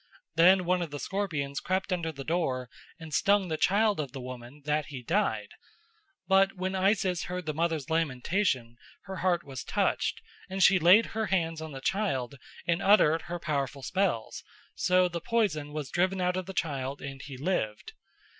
Then one of the scorpions crept under the door and stung the child of the woman that he died. But when Isis heard the mother's lamentation, her heart was touched, and she laid her hands on the child and uttered her powerful spells; so the poison was driven out of the child and he lived.